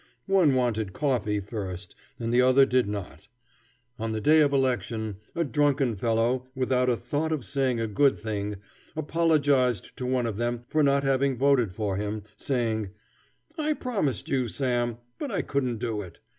One wanted coffee first and the other did not. On the day of election, a drunken fellow, without a thought of saying a good thing, apologized to one of them for not having voted for him, saying, "I promised you, Sam, but I couldn't do it.